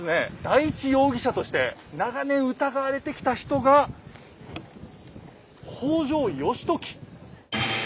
第１容疑者として長年疑われてきた人が北条義時。